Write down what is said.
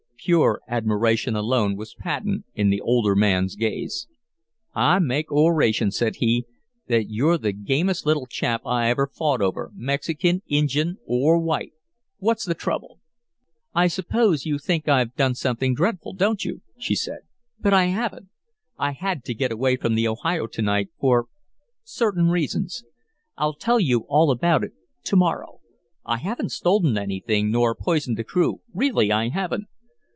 Pure admiration alone was patent in the older man's gaze. "I make oration," said he, "that you're the gamest little chap I ever fought over, Mexikin, Injun, or white. What's the trouble?" "I suppose you think I've done something dreadful, don't you?" she said. "But I haven't. I had to get away from the Ohio to night for certain reasons. I'll tell you all about it to morrow. I haven't stolen anything, nor poisoned the crew really I haven't."